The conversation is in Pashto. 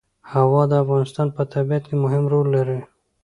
هوا د افغانستان په طبیعت کې مهم رول لري.